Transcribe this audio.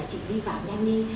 để chị đi vào nhanh đi